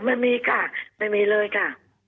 ไม่มีค่ะไม่มีเลยค่ะ